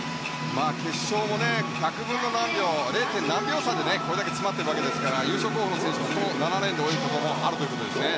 決勝も１００分の７差でこれだけ詰まっているわけですから優勝候補の選手が７レーンで泳ぐこともあるんですね。